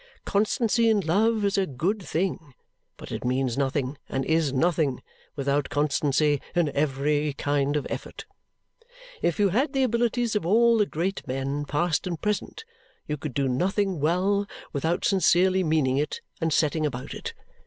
Constancy in love is a good thing, but it means nothing, and is nothing, without constancy in every kind of effort. If you had the abilities of all the great men, past and present, you could do nothing well without sincerely meaning it and setting about it.